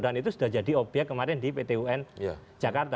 dan itu sudah jadi objek kemarin di pt un jakarta